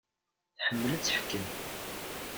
Tḥemmel ad teḥkem.